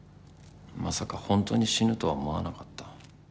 まさかホントに死ぬとは思わなかった。